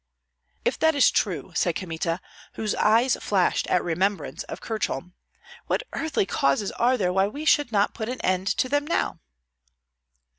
"If that is true," said Kmita, whose eyes flashed at remembrance of Kirchholm, "what earthly causes are there why we should not put an end to them now?"